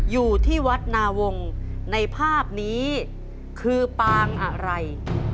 อยู่ที่วัดนาวงศ์ในภาพนี้คือปางอะไร